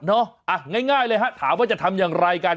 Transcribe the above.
อ่ะง่ายเลยฮะถามว่าจะทำอย่างไรกัน